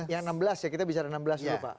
yang enam belas ya kita bicara enam belas dulu pak